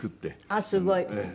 あっすごい。